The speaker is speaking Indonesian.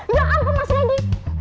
ya allah mas randy